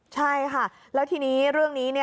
ใช่ค่ะแล้วทีนี้เรื่องนี้